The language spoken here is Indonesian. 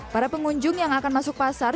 para pengunjung yang akan masuk pasar